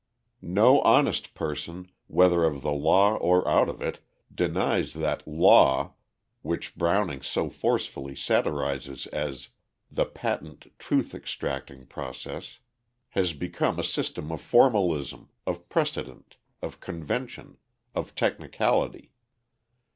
No honest person, whether of the law or out of it, denies that "law" which Browning so forcefully satirizes as "the patent truth extracting process," has become a system of formalism, of precedent, of convention, of technicality.